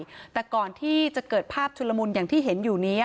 เพื่อประชาธิปไตยแต่ก่อนที่จะเกิดภาพชุลมุนอย่างที่เห็นอยู่นี้